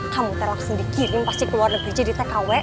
kamu terlaksan dikirim pasti keluar negeri jadi tkw